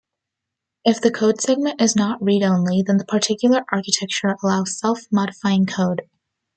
If the code segment is not read-only, then the particular architecture allows self-modifying code.